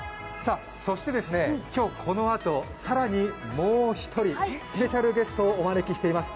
そして今日このあと更にもう一人スペシャルゲストをお招きしています。